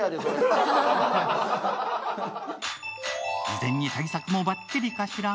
事前に対策もバッチリかしら。